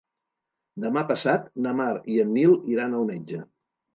Demà passat na Mar i en Nil iran al metge.